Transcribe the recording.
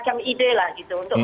karena kriteria itu terkenal